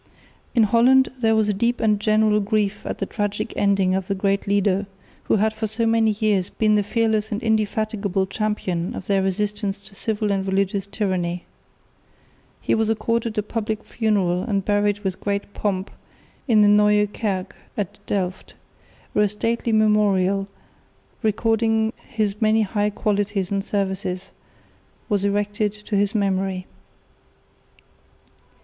In Holland there was deep and general grief at the tragic ending of the great leader, who had for so many years been the fearless and indefatigable champion of their resistance to civil and religious tyranny. He was accorded a public funeral and buried with great pomp in the Nieuwe Kerk at Delft, where a stately memorial, recording his many high qualities and services, was erected to his memory.